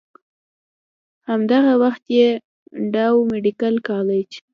هم دغه وخت ئې ډاؤ ميډيکل کالج